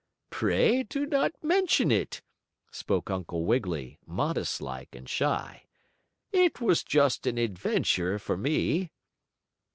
"Pray do not mention it," spoke Uncle Wiggily, modest like, and shy. "It was just an adventure for me."